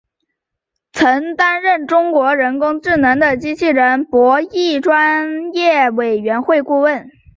曾担任中国人工智能学会机器博弈专业委员会顾问。